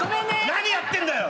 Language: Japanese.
何やってんだよ？